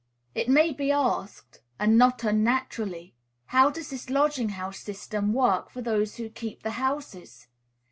It may be asked, and not unnaturally, how does this lodging house system work for those who keep the houses?